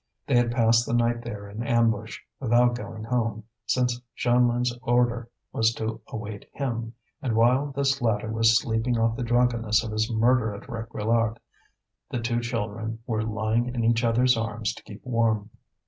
They had passed the night there in ambush, without going home, since Jeanlin's order was to await him; and while this latter was sleeping off the drunkenness of his murder at Réquillart, the two children were lying in each other's arms to keep warm.